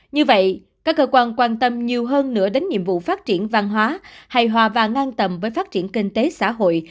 như vậy các cơ quan quan tâm nhiều hơn nữa đến nhiệm vụ phát triển văn hóa hài hòa và ngang tầm với phát triển kinh tế xã hội